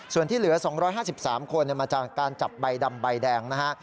ส่วนที่เหลือ๒๕๓คนมาจากการจับใบดำใบแดงนะฮะ